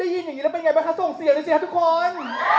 ได้ยินอย่างนี้ปะคะส่งเสียเลยใช่ไหมทุกคน